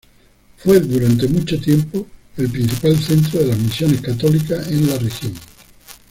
Fue durante mucho tiempo el principal centro de las misiones católicas en la región.